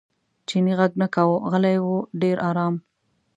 چیني غږ نه کاوه غلی و ډېر ارام.